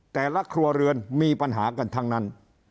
แต่ละครัวเรือนมีปัญหากันทั้งนั้น